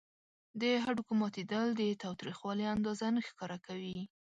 د هډوکي ماتیدل د تاوتریخوالي اندازه نه ښکاره کوي.